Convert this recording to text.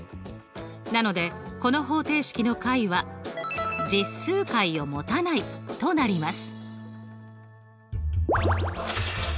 なのでこの方程式の解は実数解をもたないとなります。